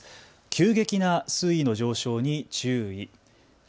急激な水位の上昇に注意。